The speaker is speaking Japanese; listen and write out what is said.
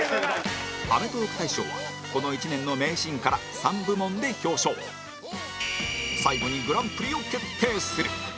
アメトーーク大賞はこの１年の名シーンから３部門で表彰最後にグランプリを決定する